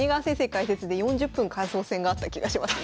解説で４０分感想戦があった気がします。